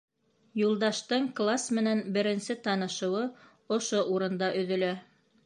Юлдаштың класс менән беренсе танышыуы ошо урында өҙөлә.